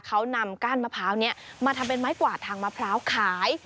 เขานำก้านมะพร้าวนี้มาทำเป็นไม้กวาดทางมะพร้าวขาย